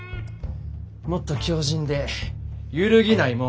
もっと強靱で揺るぎないもん。